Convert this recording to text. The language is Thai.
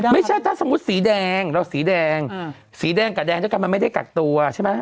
ไม่ใช่ถ้าสมมุติสีแดงเราสีแดงสีแดงกับแดงด้วยกันมันไม่ได้กักตัวใช่ไหม